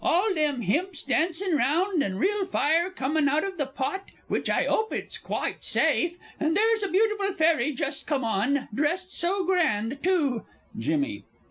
All them himps dancin' round, and real fire comin' out of the pot which I 'ope it's quite safe and there's a beautiful fairy just come on, dressed so grand, too! JIMMY.